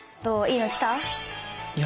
いや。